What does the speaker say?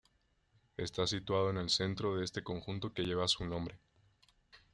Está situado en el centro de este conjunto que lleva su nombre.